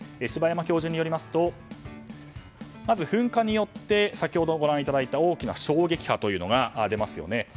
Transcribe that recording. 柴山教授によりますとまず噴火によって先ほどご覧いただいた大きな衝撃波が出ますよね。